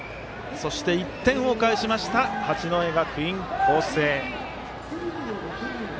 そして１点を返しました八戸学院光星。